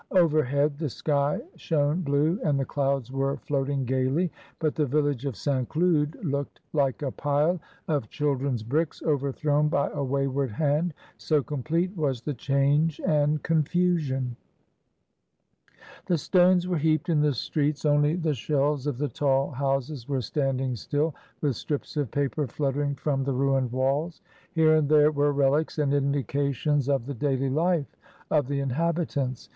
0\'€r head the sky shone blue and the clouds were float ing gaily, but the village of St. Cloud looked like a pile of children's bricks overthrown by a wayward hand, so complete was the change and confusion The stones were heaped in the streets, only the ST. CLOUD AFTER THE STORM. 1 99 shells of the tall houses were standing still, with strips of paper fluttering from the ruined walls. Here and there were relics and indications of the daily life of the inhabitants.